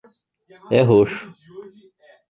É roxo.